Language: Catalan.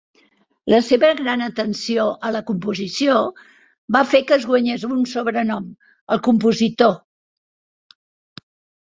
La seva gran atenció a la composició va fer que es guanyés un sobrenom: "el compositor".